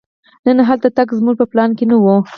نن هلته تګ زموږ په پلان کې نه و.